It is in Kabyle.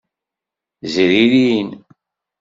Zririn.